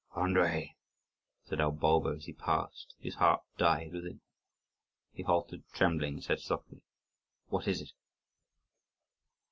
"Andrii," said old Bulba, as he passed. His heart died within him. He halted, trembling, and said softly, "What is it?"